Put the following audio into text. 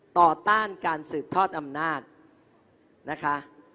ต้านการสืบทอดอำนาจนะคะ